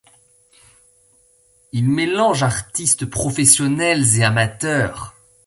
Il mélange artistes professionnels et amateurs.